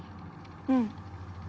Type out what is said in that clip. うん。